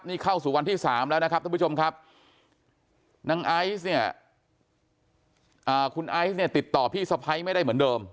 นี่เข้าสู่วันที่๓แล้วนะครับท่านผู้ชมครับนางไอซ์เนี่ยคุณไอซ์เนี่ยติดต่อพี่สะพ้ายไม่ได้เหมือนเดิม